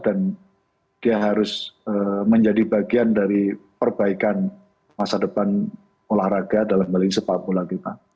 dan dia harus menjadi bagian dari perbaikan masa depan olahraga dalam mengelola sepak bola kita